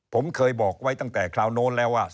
ผมเคยบอกไว้ตั้งแต่คราวโน้นแล้วว่า